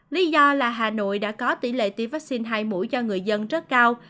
lý do là hà nội đã có tỷ lệ tiêm vaccine hai mũi cho người dân rất cao